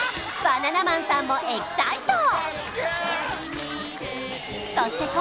バナナマンさんもエキサイト！